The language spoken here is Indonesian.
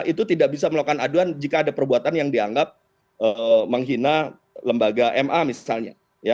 itu tidak bisa melakukan aduan jika ada perbuatan yang dianggap menghina lembaga ma misalnya